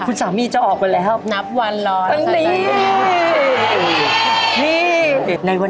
คุณสามีเจ้าออกไปแล้วครับตอนนี้